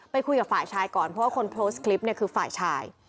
คุยกับฝ่ายชายก่อนเพราะว่าคนโพสต์คลิปเนี่ยคือฝ่ายชาย